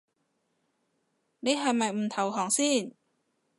你係咪唔投降先